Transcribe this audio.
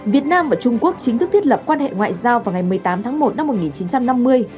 việt nam và trung quốc chính thức thiết lập quan hệ ngoại giao vào ngày một mươi tám tháng một năm một nghìn chín trăm năm mươi